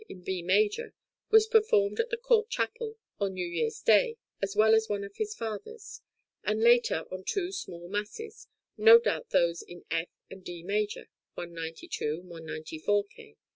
in B major was performed at the court chapel on New Year's day, as well as one of his father's; and later on two small Masses, no doubt those in F and D major (192, 194 K.).